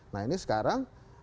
nah ini sekarang